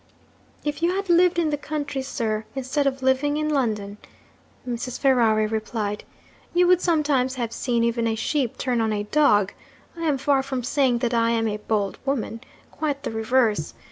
'If you had lived in the country, sir, instead of living in London,' Mrs. Ferrari replied, 'you would sometimes have seen even a sheep turn on a dog. I am far from saying that I am a bold woman quite the reverse.